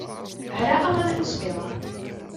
Hra ale neuspěla.